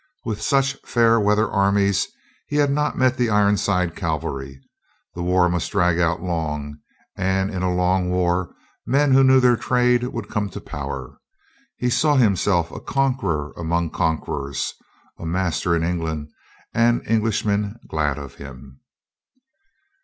With such fair weather armies — he had not met the Iron side cavalry — the war must drag out long, and in a long war men who knew their trade would come to power. He saw himself a conqueror among the con querors, a master in England and Englishmen glad of him.